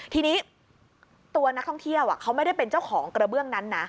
ทีนี้ตัวนักท่องเที่ยวเขาไม่ได้เป็นเจ้าของกระเบื้องนั้นนะ